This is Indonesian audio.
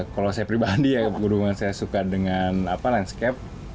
kalau saya pribadi penggunaan saya suka dengan landscape